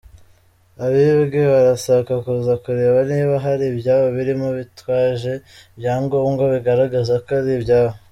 Abibwe barasabwa kuza kureba niba hari ibyabo birimo bitwaje ibyangombwa bigaragaza ko ari ibyabo.